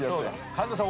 神田さん